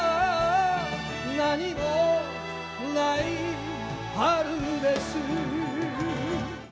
何もない春です